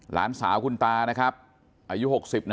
หลานสาวคุณตานะครับอายุ๖๐นะ